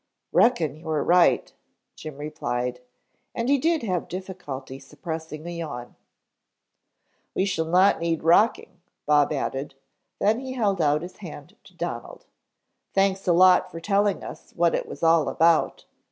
"Reckon you are right," Jim replied, and he did have difficulty suppressing a yawn. "We shall not need rocking," Bob added, then he held out his hand to Donald. "Thanks a lot for telling us what it was all about.